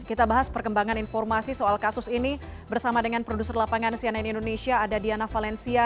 kita bahas perkembangan informasi soal kasus ini bersama dengan produser lapangan cnn indonesia ada diana valencia